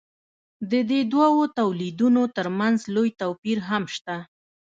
د دې دوو تولیدونو ترمنځ لوی توپیر هم شته.